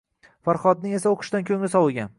Farhodning esa o`qishdan ko`ngli sovigan